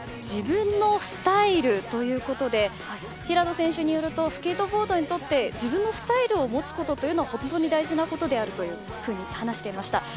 自分のスタイルということで平野選手によるとスケートボードにとって自分のスタイルを持つことが本当に大事なことであるというふうに話していました。